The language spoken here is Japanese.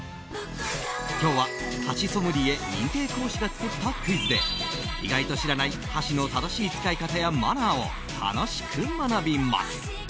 今日は、箸ソムリエ認定講師が作ったクイズで意外と知らない箸の正しい使い方やマナーを楽しく学びます。